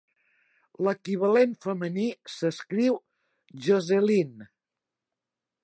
L'equivalent femení s'escriu "Jocelyne".